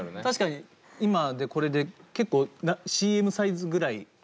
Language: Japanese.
確かに今でこれで結構ＣＭサイズぐらい。